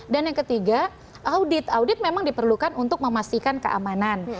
dan yang ketiga audit audit memang diperlukan untuk memastikan keamanan